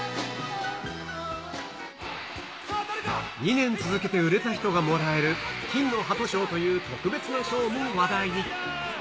２年続けて売れた人がもらえる金の鳩賞という特別な賞も話題に。